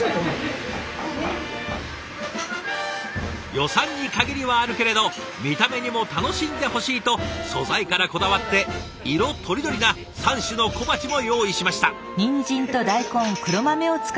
予算に限りはあるけれど見た目にも楽しんでほしいと素材からこだわって色とりどりな三種の小鉢も用意しました。